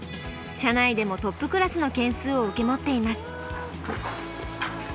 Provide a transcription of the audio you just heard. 社内でもトップクラスの軒数を受け持っています。